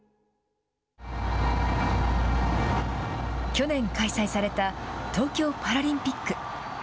去年開催された、東京パラリンピック。